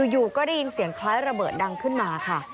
อยู่ก็ได้ยินเสียงคล้ายระเบิดดังขึ้นมาค่ะ